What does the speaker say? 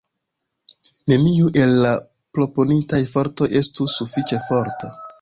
Neniu el la proponitaj fortoj estus sufiĉe forta.